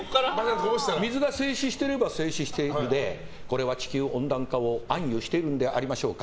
水が静止していれば静止しているのでこれは地球温暖化を暗喩してるんでありましょうか。